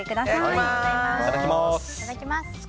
いただきます。